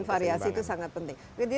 dan variasi itu sangat penting